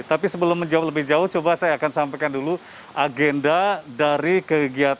tapi sebelum menjawab lebih jauh coba saya akan sampaikan dulu agenda dari kegiatan